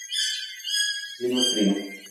Su clima es frío.